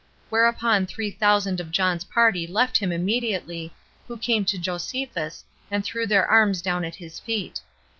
Whereupon three thousand of John's party left him immediately, who came to Josephus, and threw their arms down at his feet.